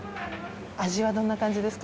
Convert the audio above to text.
味はどんな感じですか？